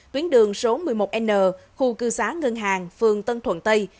tuyến đường số một mươi một n khu cư xá ngân hàng phường tân thuận tây